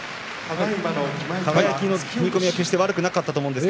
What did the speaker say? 輝の踏み込みは決して悪くなかったと思います。